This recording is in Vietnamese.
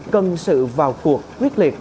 cần sự vào cuộc quyết liệt